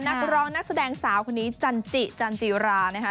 นักร้องนักแสดงสาวคนนี้จันจิจันจิรานะคะ